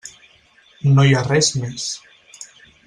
No hi ha res més.